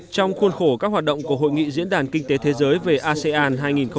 trong khuôn khổ các hoạt động của hội nghị diễn đàn kinh tế thế giới về asean hai nghìn hai mươi